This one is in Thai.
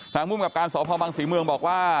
ทางมุ่งกับการสภบางศรีเมืองบอกว่า